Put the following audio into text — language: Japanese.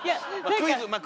クイズまあ